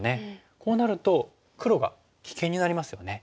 こうなると黒が危険になりますよね。